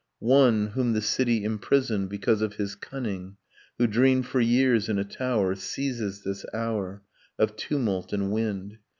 One, whom the city imprisoned because of his cunning, Who dreamed for years in a tower, Seizes this hour Of tumult and wind.